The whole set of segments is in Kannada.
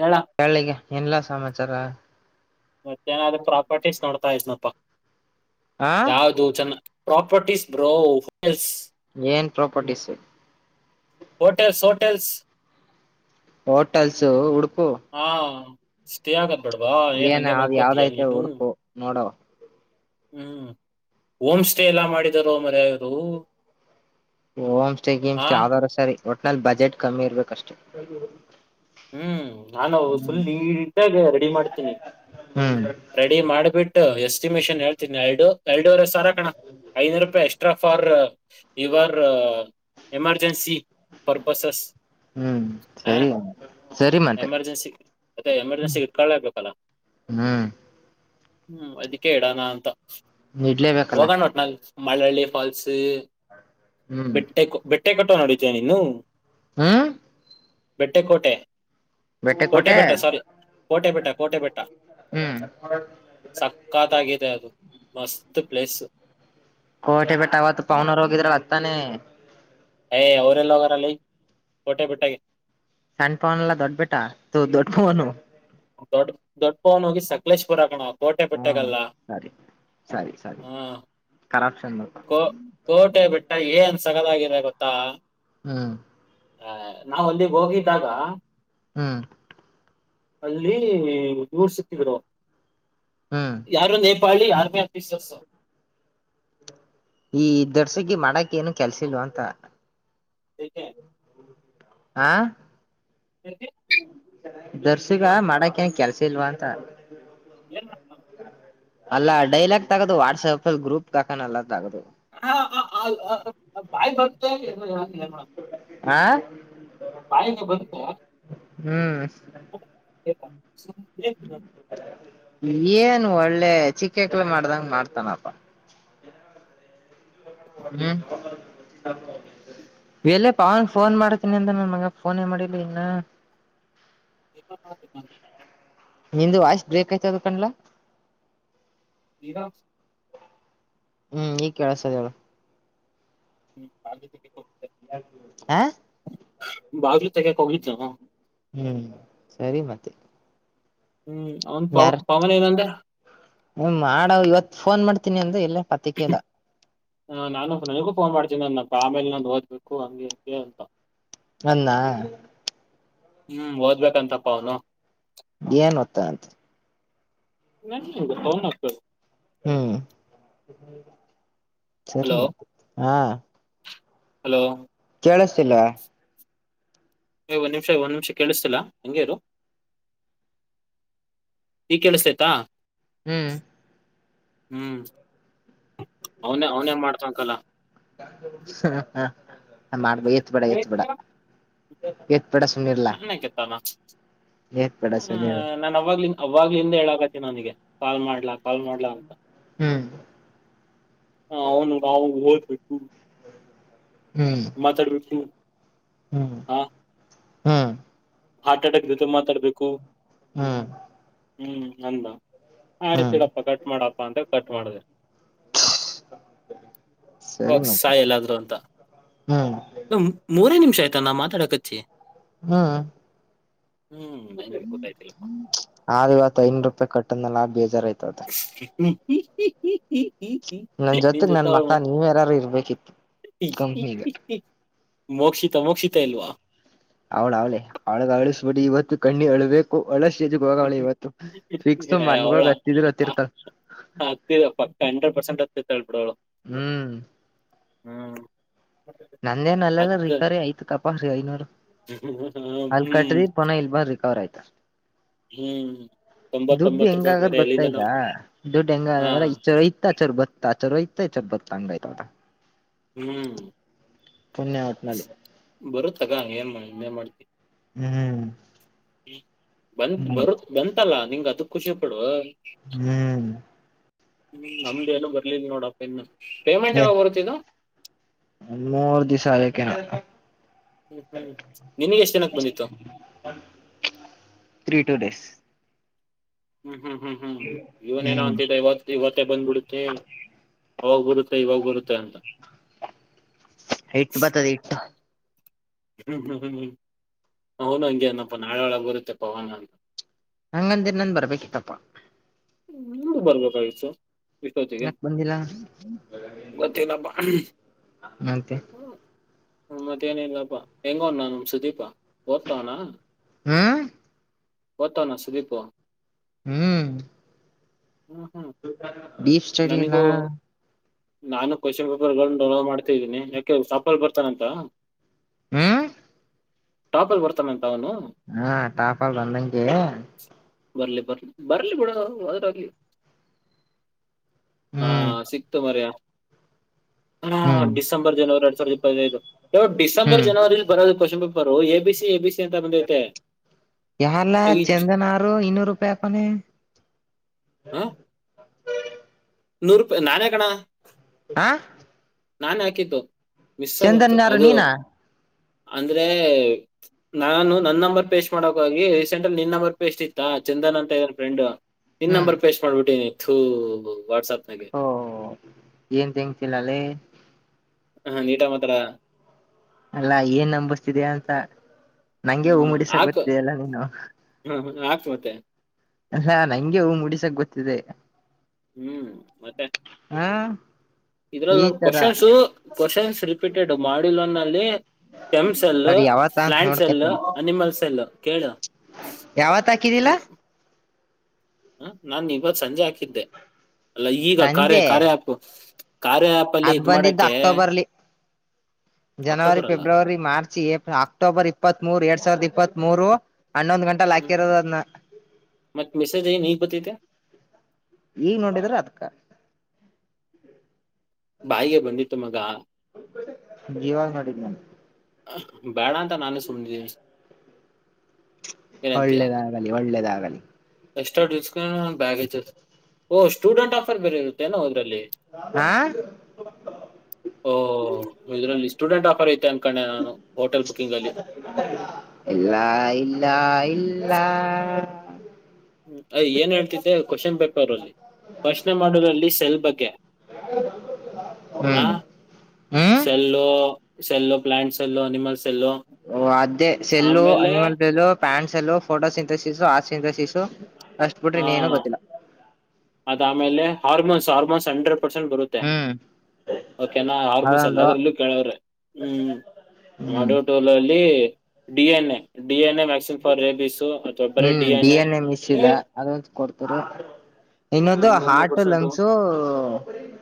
ಹೇಳ [unintelligible] ಏನಿಲ್ಲಾ ಸಮಾಚಾರ. ಮತ್ತೇನಾದ್ದ್ರು ಪ್ರಾಪರ್ಟೀಸ್ ನೋಡ್ತಾ ಇದ್ನಪ್ಪಾ ಆ ಯಾವ್ದು ಚನ್ನ ಪ್ರಾಪರ್ಟೀಸ್ ಬ್ರೊ ಲ್ಸ್ ಏನ್ ಪ್ರಾಪರ್ಟಿಸ್. ಹೋಟೆಲ್ಸ್, ಹೋಟೆಲ್ಸ್ ಹೋಟಲ್ಸ್ ಹಡು ಹಾ, ತೆಆಗೋದ್ ಬೇಡ್ವಾ ಏನ್ ಅದ್ ಮಲ್ಕೊಂತೀಯ ಯಾವ್ದೈತೆ ನೀನು. ಹುಡ್ಕು ನೋಡವ ಹ್ಮ್ ಹೋಮ ಸ್ಟೇ ಎಲ್ಲಾ ಮಾಡಿದಾರೋ ಮಾರಾಯ ಇವ್ರು. ಹೋಮ್ ಸ್ಟೇ ಗೀಮ್ ಸ್ಟೇ ಯಾವದಾದ್ರು ಸರಿ ಒಟ್ನಲ್ಲಿ ಬಜೆಟ್ ಕಮ್ಮಿ ಇರ್ಬೇಕಷ್ಟೇ. ಹ್ಮ್ ಆಮೇಲ್ ನಾನು ಫುಲ್ ನೀಟ್ಟಾಗಿ ರೆಡಿ ಮಾಡ್ತೀನಿ. ಹ್ಮ್ ರೆಡಿ ಮಾಡ್ಬಿಟ್ಟು, ಎಷ್ಟ ಎಕ್ಸಿಮೀಷನ್ ಹೇಳ್ತೀನಿ ಎರಡು ಎರಡೂವರೆ ಸಾವರ್ ಕಣ್ಣೋ ಐನೂರು ರೂಪಾಯಿ extra for, your emergency purposes ಹ್ಮ್ ಹಾ, ಸರಿ ಸರಿ ಮತ್ತೆ ಎಮರ್ಜೆನ್ಸಿ ಮತ್ತೆ ಎಮರ್ಜೆನ್ಸಿಗೆ ಇಟ್ಕೊಳ್ಳೇಬೇಕಲ್ಲ. ಹ್ಮ್ ಹ್ಮ್ ಅದಿಕ್ಕೆ ಇಡಣ ಅಂತ ಇಡ್ಲೇಬೇಕಲ್ಲ ಹೋಗಣ ಅಥಲ್ಗೆ ಮಳಳ್ಳಿ. ಪಾಲ್ಸ್ ಹ್ಮ್ ಬೆಟ್ಟೆ ಬೆಟ್ಟೆ ಕಟ್ಟೋ ನಡಿತೇಯ ನೀನು. ಹ್ಮ, ಬೆಟ್ಟೆ ಕೋಟೆ ಕೋಟೆ ಬೆಟ್ಟ ಸ್ವಾರಿ ಕೋಟೆ ಬೆಟ್ಟ ಕೋಟೆ ಬೆಟ್ಟ. ಹ್ಮ್ ಸಕ್ಕತ್ತಾಗಿದೆ ಅದು ಮಸ್ತ್ ಪ್ಲೇಸ್. ಕೋಟೆ ಬೆಟ್ಟ ಅವತ್ತು ಪವನರು ಹೋಗಿದ್ರ ಅತ್ತಾನೇ. ಎ ಅವ್ರ್ ಎಲ್ಲಿ ಹೋಗ್ವಾರ್ ಲೆ ಕೋಟೆ ಬಿಟ್ಟೆಗೆ. ಸಣ್ಣ ಪವನ್ ಎಲ್ಲಾ ದೊಡ್ಬ ಬಿಟ್ಟಾ ತ ದೊಡ್ಡ ಪವನು. ದೊಡ್ ದೊಡ್ ಪವನ್ ಹೋಗಿದ ಸಕಲೇಶಪುರ ಕಣೋ ಹ್ಮ್ ಕೋಟೆಪಟ್ಟೆಗಲ್ಲ. ಸರಿ ಸರಿ, ಸರಿ ಕರಪ್ಷನ್ ಕೋ ಕೋಟೆ ಬೆಟ್ಟ ಏನ್ ಸಗದಾಗಿದೆ ಗೊತ್ತಾ. ಹ್ಮ್. ಏ ನಾವ್ ಅಲ್ಲಿಗಿ ಹೋಗಿದ್ದಾಗ, ಹ್ಮ್, ಅಲ್ಲಿ ಇವ್ರು ಸಿಕ್ತಿದ್ರು ಹ್ಮ್ ಯಾರ [unintelligible] ಪಾಳಿ ಆರ್ಮಿ ಆಫೀಸರ್ಸ, ಈ ದರ್ಸಗಿ ಮಾಡಕ್ ಏನು ಕೆಲ್ಸಿಲ್ವ ಅಂತ. ಯಾಕೆ, ಹಾ, [inaudible] ದರ್ಸಗ ಮಾಡಕ ಏನ್ ಕೆಲ್ಸ ಇಲ್ವಾ ಅಂತ ಏನ್ [unintelligible] ಅಲ್ಲ ಡೈಲಾಗ್ ತಗೋದು ವಾಟ್ಸಪ್ಗ ಅಲ್ಲಿ ಗ್ರೂಪ್ ಹಾಕನಲ್ಲ ತಗೋದು. ಆ [unintelligible] ಬಾಯಿಗೆ ಬಂತು ಹ್ಮ್ [inaudible] ಏನ್ ಒಳ್ಳೆ ಚಿಕ್ಕಕ್ಲೆ ಮಾಡ್ದಂಗ ಮಾಡ್ತಾನಪ್ಪ ಹ್ಮ್ ಎಲೆ ಪವನ್ ಫೋನ್ ಮಾಡ್ತೀನಿ ಅಂತ ನನ್ ಮಗ ಫೋನ್ ಮಾಡಲಿ ಇನ್ನ [unintelligible] ಎ ನಿಂದು ವಾಶ್ ಬ್ರೇಕಕ್ ಆಯ್ತದ ಕಣ್ಲ ಇದ ಹ್ಮ್ ಈಗ್ ಕೇಳಸದ ಹ್ಮ್ ಅ ಹಾ ಬಹಲು ತಗಕಗಿತ ಹ್ಮ್ ಸರಿ ಮತ್ತೆ ಹ್ಮ್ ಅವ್ನ್ ಪವ ಯಾರ ಪವನ್ ಏನಂದ ಮಾಡ ಇವತ್ತು ಫೋನ್ ಮಾಡ್ತೀನಿ ಅಂದ್ರೆ ಎಲ್ಲೇ ಪತಕಲ್ಲ ಹ ನಾನು ನನಗೂ ಫೋನ್ ಮಾಡ್ತೀನಿ ನಪ್ಪ ಆಮೇಲೆ ನಂದು ಓದ್ಬೇಕು ಹಂಗೆ ಹಗೆ ಅಂತ ಅನ್ನಾ ಹ್ಮ್ ಓದ್ಬೇಕಂತಪ್ಪ ಅವನು ಏನ್ ಗೊತ್ತಾ ಅಂತ ನ ಹ ಮತ ಹ್ಮ್ ಹಲೋ ಸರಿಮ್ಮ ಹಾ ಹಲೋ ಕೇಳಸ್ತಿಲ್ವಾ ಒಂದ್ ನಿಮಷ ಒಂದ್ ನಿಮಿಷ ಕೇಳಿಸ್ತಲಾ ಹಂಗ್ಯರು ಈ ಕೇಳಸ್ತಯ್ತಾ ಹ್ಮ್ ಹ್ಮ್ ಅವನೇ ಅವನೇ ಮಾಡ್ತಾಕಲ್ಲ ಮಾಡ್ಬೇ ಎತ್ ಬೇಡ ಎತ್ ಬೇಡ ಎ ನನ್ಕತ್ತಾನ ಎತ್ ಬೇಡ ಹ ಸುಮ್ನಿರು ನಾನ ಅವಾಗ್ ಅವಾಗ್ಲ ಹಿಂದ ಹೇಳಕತಿ ನನಗೆ ಕಾಲ್ ಮಾಡ್ಲಾ ಕಾಲ್ ಮಾಡ್ಲಾ ಅಂತ ಹ್ಮ್ ಹ ಅವನು ಅವ ಊತು ಹ್ಮ್ ಮಾತಾಡ್ಬೇಕು ಹ್ಮ್ ಆ ಹ್ಮ್ ಹಾರ್ಟ್ ಅಟ್ಯಾಕ್ ಜೊತೆ ಮಾತಾಡ್ಬೇಕು ಹ್ಮ್ ಹ್ಮ್ ಅಂದ ಹ್ಮ್ ಆಯ್ತಡಪ್ಪ ಕಟ್ ಮಾಡಪ್ಪಾ ಅಂತೇಳ ಕಟ್ ಮಾಡ್ದ ಬಿವಿ ಸರಿ ಹಕ್ ಮತ್ತೆ ಸಾಯಲ್ಲಾದ್ರು ಅಂತ ಹ್ಮ್ ಮೂರೇ ನಿಮ್ ಶೇತನಾ ಮಾ ಧಡಗ್ ಹ್ಮ ನಂಗೆ ಗೊತ್ತಾಯ್ತಿಲ್ಲಪ್ಪ ಆವತ್ತು ಐನೂರು ರೂಪಾಯಿ ಕಟ್ಟನಲ್ಲ ಹ ಹಿ ಹಿ ಈ ಈ ನನ್ ನಿ ಜೊತೆಗ್ ನನ್ ತಾವಮ ಮಕ್ಳ ನೀವ್ ಯಾರಾರು ಇರ್ಬೇಕಿತ್ತು ಕಂಪ್ನಿಗ ಮೋಕ್ಷಿತ ಮೋಕ್ಷಿತ ಇಲ್ವಾ ಅವ್ಳ ಅವ್ಳ ಅವಳಗ್ ಅಳಿಸಬಿಟ್ಟು ಇವತ್ತು ಕಣ್ಣಿ ಅಳ್ಬೇಕು ಒಳ್ಳಷ್ಟೇಜಕ್ ಹೋಗಾವಳಿ ಇವತ್ತು ಫಿಕ್ಸ್ ಮನ್ಗಳ ಗತ್ತಿದ್ರ ಗತ್ತಿರ್ತ ಹ ಹಂಡ್ರೆಡ್ ಪರ್ಸೆಂಟ್ ಹತ್ತಿತ್ತಾಳ ಬಿಡೋಳು ಹ್ಮ್ ಹ್ಮ್ ನಂದೇನ್ಲ್ಲಲ್ಲ ಹತ್ತ ರಿಕರಿ ಆಯ್ತ ಕಪ ಐನೂರು ಅಲ್ ಹ್ಮ್ [unintelligible] ಪುನಃ ಇಲ್ ಬಂದ್ ರಿಕವರ್ ಆಯ್ತು ಹ್ಮ್ ದುಡ್ಡು ತೊಂಬತ್ತೊಂಬತ್ ರೂಪಾಯಿ ಹೆಂಗಗದ್ ಬೇರೆ ಗೊತ್ತಾ ಎಲ್ಲಿಂದ ಈಗ ನಾವ್ ದುಡ್ಡು ಹಾ ಹೆಂಗಂದ್ರೆ [unintelligible] [unintelligible] ಹ್ಮ್ ಒಟ್ನಲ್ಲಿ ಬರುತ್ತಗ ಏನ್ ಮಾಡ್ತಿ ಹ್ಮ್ ಬಂತ್ ಅದೇ ಬರುತ್ ಬಂತಲ್ಲಾ ನಿಂಗ್ ಅದಕ್ ಖುಷಿಪಡೊ ಹ್ಮ್ ಹ್ಮ್ ನಮ್ದ ಏನು ಬರ್ಲಿಲ್ಲ ನೋಡಪ್ಪ ಇನ್ನು ಪೇಮೆಂಟ್ ಯಾವಾಗ್ ಬರುತ್ತಿದು [unintelligible] ಮೂರು ದಿವಸ [unintelligible] ಹ್ಮ್ ಹ್ಮ್ ನಿನಿಗ್ ಎಷ್ಟ್ ದಿನಕ್ಕ ಬಂದಿತ್ತು ತ್ರೀ ಟು ಡೇಸ್ ಹ್ಮ್ ಹ್ಮ್ ಹ್ಮ್ ಹ್ಮ್ ಹ್ಮ್ ಇವನೇನೋ ಹ್ಮ್ ಅಂತಿದ್ದ ಇವತ್ದು ಇವತ್ತೇ ಬಂದ್ಬುಡುತ್ತೆ ಅವಾಗ್ ಬರುತ್ತೆ ಇವಾಗ ಬರುತ್ತೆ ಅಂತ ಇಟ್ಟು ಬತದೆ ಇಟ್ಟು [unintelligible] ಅವನು ಹಂಗೆ ಅನಪ್ಪ ನಾಳೆ ಒಳಗೆ ಬರುತ್ತೆ ಪವನ್ ಅಂತ ಹಂಗಂದಿರ್ ನಂದ್ ಬರ್ಬೇಕಿತ್ತಪ್ಪ [unintelligible] ಬರ್ಬೆಕಗಿತ್ತು ಯಾಕ್ ಬಂದಿಲ್ಲ ಗೊತ್ತಿಲ್ಲಪ್ಪ [unintelligible] ಹ್ಮ ಮತ್ತೇನ್ ಇಲ್ಲಪ್ಪಾ ಹೆಂಗವ್ನ ನಮ್ ಸುದೀಪಾ ಓದ್ತಾವ್ನ ಹ್ಮ್ ಓದ್ತೋವ್ನಾ ಸುದೀಪು ಹ್ಮ್ ಹ್ಮ್ ಹ್ಮ್ ಡೀಫ್ ಸ್ಟಡಿಲ್ಲಾ ನನಗೂ ನಾನು ಕ್ವಶನ್ ಪೇಪರ್ ಡೌಂಲೋಡ್ ಮಾಡ್ತ ಇದಿನಿ ಯಾಕೆ ಸಪಲ್ ಬರ್ತಾನಂತ ಹ್ಮ ಟಾಪಲ್ಲ್ ಬರ್ತ [unintelligible] ಹಾ ಟಾಫಾಲ್ ಬಂದಂಗೆ ಬರ್ಲಿ ಬರ್ಲಿ ಬರ್ಲಿ ಬಿಡೊ ಹೊದ್ರೆ ಹೊಗ್ಲಿ ಹಾ ಹ್ಮ್ ಸಿಕ್ತು ಮರಯ ಹ್ಮ್ [unintelligible] ಡಿಸೆಂಬರ್ ಜನವರಿ [unintelligible] ಡಿಸೆಂಬರ್ ಹ್ಮ್ ಜನವರಿಲ್ಲಿ ಬರೋದು question paper A B C A B C ಅಂತ ಬಂದೈತೆ ಯಾರ್ಲಾ ಈ ಜ್- ಚಂದನಾ ಆರು ಇನ್ನೂರೂಪಾಯಿ ಹಾಕವ್ನೆ [unintelligible] ನೂರೂಪಾಯ್ ನನೆ ಕಣೊ ಹಾ ನಾನೆ ಹಾಕಿದ್ದು ಮಿಸ್ಸಗ್ ಬಂತು ಅದು ನೀನಾ ಅಂದ್ರೆ ನಾನು ನನ್ ನಂಬರ್ ಪೇಸ್ಟ್ ಮಾಡಕೊಗಿ ರೀಸೆಂಟ್ ಅಲ್ಲಿ ನಿನ್ ನಂಬರ್ ಪೇಸ್ಟ್ ಇತ್ತ ಚಂದನ್ ಅಂತ ಇದನ್ ಫ್ರೆಂಡು ನಿನ್ ಹ್ಮ್ ನಂಬರ್ ಪೇೇಶ್ ಮಾಡ್ಬಿಟ್ಟಿನಿ ಥೂ ವಾಟ್ಸಪ್ ಓ ಏನ್ [unintelligible] ಹ ನೀಟಾಗ್ ಮಾತಾಡ ಅಲ್ಲಾ ಏನ್ ನಂಬಿಸ್ತಿದಿಯ ಅಂತ ನಂಗೆ ಹೂ ಹ್ಮ್ ಮೂಡಿಸಕ್ ಹಾಕು ಬತ್ತಿದಿಯಲ್ಲ ನೀನು [unintelligible] ಮತ್ತೆ ಅಲ್ಲಾ ನಂಗೆ ಹೂ ಮೂಡಿಸಕ್ ಬತ್ತಿದಿ ಹ್ಮ್ [unintelligible] ಹಾ ಇದ್ರಲ್ಲಿ ಈ ನೋಡ್ ತರ ಕ್ವಶನ್ಸು ಕ್ವಶನ್ಸ್ ರಿಪೀಟೆಡ್ ಮಾಡಿಲ್ ಒನ್ ಅಲ್ಲಿ ಎಂ ಸೆಲ್ಲು ಸರಿ ಯಾವತ್ತ ಪ್ಲಾಂಟ್ ಸೆಲ್ಲು ನೋಡ್ಕತೀನಿ ಅನಿಮಲ್ಸೆಲ್ಲು ಕೇಳು ಯಾವತ್ ಹಾಕಿದಿಲ್ಲ ಇ- ಹ ನಾನು ಇವತ್ತು ಸಂಜೆ ಹಾಕಿದ್ದೆ ಅಲ್ಲ ಈಗ ಕಾರ್ಯ ಸಂಜೆ ಕಾರ್ಯ ಹ್ಯಾಪು ಅದ್ ಬಂದಿದ್ದು ಅಕ್ಟೋಬರ್ಲಿ ಜನವರಿ ಅಕ್ಟೋಬರ್ ಅಲ್ಲ ಫೆಬ್ರವರಿ ಮಾರ್ಚ್ ಅಕ್ಟೋಬರ್ ಇಪ್ಪತ್ ಮೂರ್ ಎರಡ್ ಸಾವಿರದ ಇಪ್ಪತ್ತ್ ಮೂೂರು ಹನ್ನೊಂದು ಗಂಟಲ್ಲ ಹಾಕಿರೋದು ಅದನ್ನ ಮತ್ ಮೆಸೇಜ್ ಏನ್ ಈಗ್ ಬತ್ತೈತೆ ಈಗ್ ನೋಡಿದ್ರ ಅದಕ್ಕ ಬಾಯಿಗೆ ಬಂದಿತ್ತುು ಮಗ ನಿವಾಗ ನಡೀದ್ದ ನನ್ ಬೇಡಂತ ನಾನು ಸನ್ನಿದ್ದನನೆ ಒಳ್ಳೇದಾಗಲಿ ಒಳ್ಳೇದಾಗಲಿ ಎಷ್ಟಸ್ಕೊಂಡ್ರ ನ ಬ್ಯಾಗ್ ಓ ಸ್ಟೂಡೆಂಟ್ ಆಫರ್ ಬರರೆ ಹಾ ಓಹ ಇದ್ರಲ್ಲಿ ಸ್ಟೂಡೆಂಟ್ ಆಫರ್ ಐತೆ ಅನ್ಕಣೆ ನಾನು ಹೋಟೆಲ್ ಬುಕ್ಕಿಂಗ್ಲ್ ಇಲ್ಲ ಇಲ್ಲ ಇಲ್ಲ ಹ್ಮ್ ಅ್ ಏನ್ ಹೇಳ್ತಿದ್ದೆ ಕ್ವಶನ್ ಪೇಪರ್ ಅಲ್ಲಿ ಪ್ರಶ್ನೆ ಮಾಡೋದ್ರಲ್ಲಿ ಸೆಲ್ ಬಗ್ಗೆ ಹ ಹ್ಮ್ ಹ್ಮ್ ಸೆಲ್ಲೋ ಎಲ್ಲ ಪ್ಲಾಟ್ಸ್ ಎಲ್ಲೋ ಅನಿಮಲ್ಸ್ ಓ ಅದ್ದೇ ಸೆಲ್ಲು ಅನಿಮಲ್ ಬೆಲ್ಲ ಪ್ಯಾಂಟ್ ಸೆಲ್ಲು ಫೋಟೋ ಸಿಂಥಸಿಸು ಆ ಸಿಂಥಸಿಸಸು ಅಷ್ಟ್ ಬಿುಟ್ರಿ ನೀಏನುೂ ಗೊತ್ತಿಲ್ಲ ಅದಮೇಲೆ ಹಾರ್ಮೋನ್ಸ್ ಹಾರ್ಮೋನ್ಸ್ ಹಂಡ್ರೆಡ್ ಪರ್ಸೆಂಟ್ ಬರುತ್ತೆ ಹ್ಮ್ ಓಕೆನಾ ಹಾರ್ಮೋನ್ಸ್ ಅದೊಂದು ಎಲ್ಲದ್ರಲ್ಲೂ ಕೇಳವ್ರೆ ಹ್ಮ್ ಹ್ಮ್ ಮಾಡಟ D N A D N A vaccine for rabies ಅಥವಾ ಬರ ಹ್ಮ್ ಡಿ ಎನ್ ಮಿಸ್ ಎ ಇಲ್ಲ [inaudible] ಅದೊಂದು ಕೊಡ್ತರು ಇನ್ನೊಂದು hundred heart percent lungs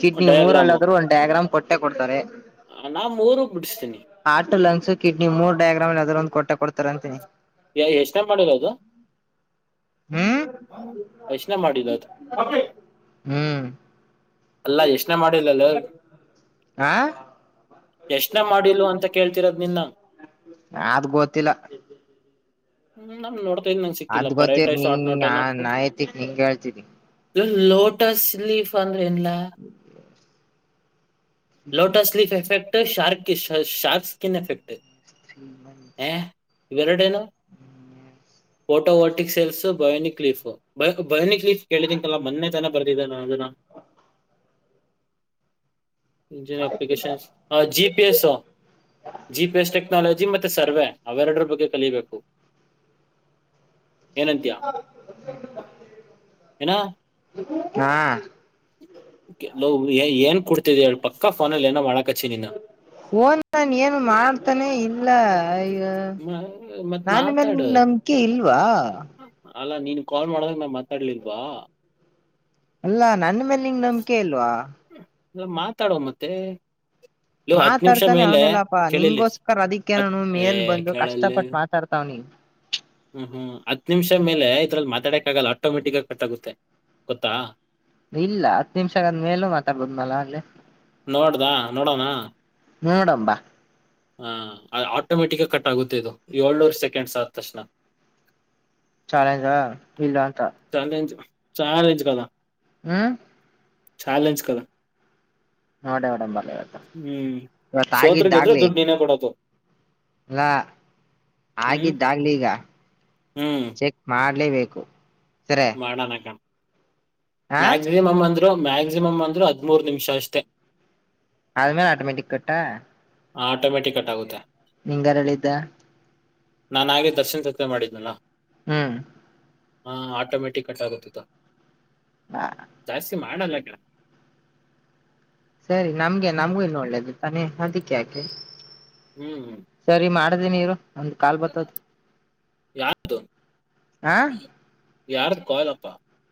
kidney diagram ಮೂರಲ್ಲಾದ್ರರು ಒಂದು ಡೈ ಗ್ರಾಮ್ ಕೊಟ್ಟೆ ಕೊಡ್ತಾರೆ ನಾಮೂರು ಬಿಡಿಸ್ತನಿ ಹಾರ್ಟ್ ಲಂಗ್ಸ್ ಕಿಡ್ನಿ ಮೂರ್ ಡಯಾಗ್ರಾಮ್ ಅಲ್ಲಿ ಅದ್ರೊಂದಂದು ಕೊಟ್ಟೆ ಕೊಡ್ತಾರ ಅಂತೀನಿ ಎಷ್ಟ ಟೈಮ್ ಮಾಡರ ಅದು ಹ್ಮ್ ಯೋಚನೆ ಮಾಡಿಲ್ಲ ಅದು ಹ್ಮ್ ಅಲ್ಲ ಯೋಚನೆ ಮಾಡಿಲ್ಲಲ್ಲ ಆ ಎಷ್ಟನ ಮಾಡಿಲ್ಲ ಅಂತ ಕೇಳ್ತಿರೋದ್ ನಿನ್ನ ಆದ್ ಗೊತ್ತಿಲ್ಲ ಹ್ಮ್ ನಮ ನೋಡ್ತಾ ನಂಗಗೆ ಅದ್ ಸಿಕ್ಕಿಲ್ಲಪ್ಪ ಗೊತ್ತಿರ್ ರೈಟೈಸ್ ಆಟ್ ನಿಂಗ ನೋಟನಪ್ಪ ನಾಯತಿಕ್ ನಿಂಗ ಹೇಳ್ತೀನಿ ಇ ಲೋಟಸ್ ಲೀಫ್ ಅಂದ್ರ ನ್ಲಾ ಲೋಟಸ್ ಲೀಫ ಎಫೆಕ್ಟ್ ಶಾರ್ ಶಾರ್ಪ ಸ್ಕನ್ ಎಫೆಕ್ಟ್ ತ್ರೀ ಮಂತ್ಸ್ ಇವೆ ಎರಡನಾ photovoltaic cells bionic leaf bionic please ಕೇಳಿದಿನ್ಲ್ ಮೊನ್ನೆ ತನ ಬರ್ದಿದೆ ನ ಅದನ್ನ ಇಜನ್ applications G P S G phase technology ಮತ್ತೆ ಸರ್ವೆ ಅವೆರಡರ ಬಗ್ಗೆ ಕಲಬೇಕು ಏನಾ ಹಾ ಕೆ ಏನ್ ಕೊಡ್ತಿದಿ ಪಕ್ಕ ಫೋನಲ್ಲಿ ಏನೋ ಮಾಡಕ್ ಹಓನ್ ನನ್ ಏನ್ ಮಾಡ್ತಾನೆ ಇಲ್ಲ ಮತ್ ನನ್ ಮೇಲೆ ಮಾತಾಡು ನಂಬಿಕೆ ಇಲ್ವಾ ಅಲ್ಲ ನೀನ್ ಕಾಲ್ ಮಾಡಿದಾಗ ಮ್ಯ ಮಾತಾಡ್ಲಿಲ್ವಾ ಅಲ್ಲಾ ನನ್ನ ಮೇಲೆ ನಿಂಗ್ ನಂಬಿಕೆ ಇಲ್ವಾ ಎಲ್ಲ ಮಾತಾಡುವ ಮತ್ತೆ ನೀ ಹತ್ ನಿಮಿಷ ಮಾತಾಡ್ತಾನೆ ಮೇಲೆ ಅವನೆಲ್ಲಪ್ಪಾ ಕೇಳಲಿ ನಿಂಗೋಸ್ಕರ ಅದಕ್ಕೆ ಹತ್ ನಾನು ಏ ಮೇಲ್ ಬಂದು ಕೇಳಲ್ಲಿ ಕಷ್ಟಪಟ್ಟ ಮಾತಾಡ್ತಾವ್ನಿ ಹ್ಮ್ ಹ್ಮ್ ಹತ್ ನಿಮಿಷ ಮೇಲೆ ಇದ್ರಲ್ಲಿ ಮಾತಾಡಕ್ ಆಗಲ್ಲ ಆಟೋಮೆಟಿಕ್ ಆಗ ಕಟ್ಟಾಗುತ್ತೆ ಗೊತ್ತಾ ಇಲ್ಲ ಹತ್ತು ನಿಮಿಷಂದ ಮೇಲೂ ಮಾತಾಡ್ಬೋದ್ ಮಲ ಅಲ್ಲೇ ನೋಡ್ದಾ ನೋಡೋಣ ಹೂಡಂಬಾ ಹ ಆಟೋಮೆಟಿಕ್ ಕಟ್ ಆಗುತ್ತೆ ಇದು ಏಳ್ನೂರು ಸೆಕೆಂಡ್ಸ್ ಆದ ತಕ್ಷಣ ಚಾಲೆಜಾ ಇಲ್ಲ ಅಂತ ಚಾಲೆಂಜ ಕದಾ ಹ್ಮ ಚಾಲೆಂಜ್ ಕಲ ನೋಡ ನೋಡಂಬಲ್ಲ ಇವತ್ತು ಹ್ಮ್ ಇವತ್ತ ಸೋತ್ರಗೆ ಇದ್ರೆ ಆಗಿದ್ದಾಗ್ಲಿ ದುಡ್ಡು ನೀಿನೇ ಕೊಡದು ಅಲ್ಲಾ ಹ್ಮ್ ಆಗಿದ್ದಾಗ್ಲಿ ಈಗ ಚೆಕ್ ಮಾಡ ಮಾಡಲೇಬೇಕು ಮಾಡಣಣ ಹ ಮಕ್ಸಿಮಮ್ ಮ್ಯಾಕ್ಸಿಮಮ್ ಅಂದ್ರೆ ಹದಿ್ಮೂರು ನಿಮಿಷ ಅಷ್ಟೇ ಅದುಮೇಲೆ ಆಟೋಮೇಟಿ ಕ ಹಾ ಆಟೋಮೆಟಕ್ ಕಟ ಆಗುತ್ತ ನಿಂಗ ಯಾರ ಹೇಳಿದ ನಾನ ಹಾಗೆ ದರ್ಶನ ಜತ್ ಮಾಡಿದ್ದನಾ ಹ್ಮ್ ಹಾ ಆಟೋಮ್ಯಾಟಿಕ್ ಕಟ್ ಆಗುತ್ತತ್ತ ಹಾ ಮಾಡಲ್ಲಕಣ್ಣ ಸರಿ ನಮ್ಗೆ ನಮ್ಗೂ ಇನ್ನುೂ ಒಳ್ಳೇದು ತಾನೆ ಅದಕ್ಕೆ ಯಾಕೆ ಹ್ಮ್ ಹ್ಮ್ ಮಾಡ ನೀರು ಒಂದು್ ಕಾಲ್ ಬರ್ತ ಯಾರ್ದು ಆ ಯಾರ್ದು ಕಾಯಲಪ್ಪ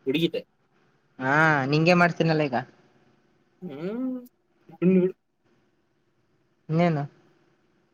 ಹುಡುಗತೆ ಹಾ ನಿಂಗೆ ಮಾಡ್ತೀನಲ್ಲ ಈಗ ಹ್ಮ್ ನೀನ್